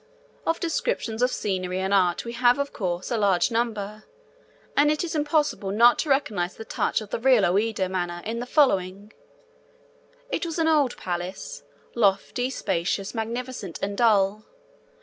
Of descriptions of scenery and art we have, of course, a large number, and it is impossible not to recognise the touch of the real Ouida manner in the following: It was an old palace: lofty, spacious, magnificent, and dull.